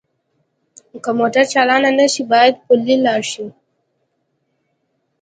که موټر چالان نه شي باید پلی لاړ شئ